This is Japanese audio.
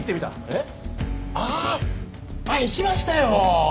えっ？あああっ行きましたよ！